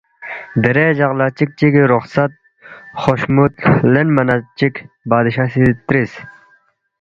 دیرے اے جق لہ چِک چگی رخصت خوشمُوت لینما چِک بادشاہ سی ترِس،